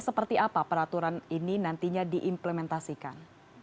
seperti apa peraturan ini nantinya diimplementasikan